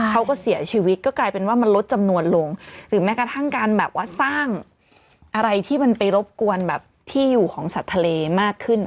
เขาก็เสียชีวิตก็กลายเป็นว่ามันลดจำนวนลงหรือแม้กระทั่งการแบบว่าสร้างอะไรที่มันไปรบกวนแบบที่อยู่ของสัตว์ทะเลมากขึ้น